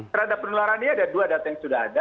terhadap penularannya ada dua data yang sudah ada